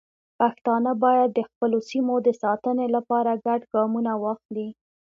پښتانه باید د خپلو سیمو د ساتنې لپاره ګډ ګامونه واخلي.